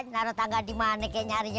naro tangga dimana ke nyari